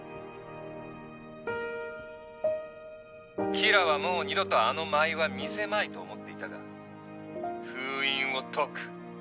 キラはもう二度とあの舞は見せまいと思っていたが封印を解く。